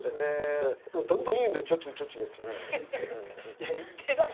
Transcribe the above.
「いや言ってない！」